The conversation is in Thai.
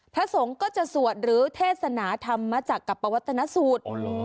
พระสงฆ์ก็จะสวดหรือเทศนาธรรมมาจากกับปวัตนสูตรอ๋อเหรอ